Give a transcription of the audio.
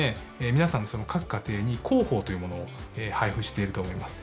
皆さんの各家庭に広報というものを配布していると思います。